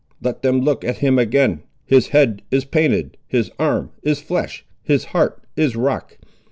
Let them look at him again. His head is painted; his arm is flesh; his heart is rock.